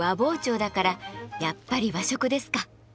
和包丁だからやっぱり和食ですか。